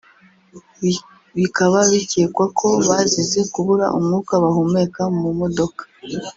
bikaba bikekwa ko bazize kubura umwuka bahumeka mu modoka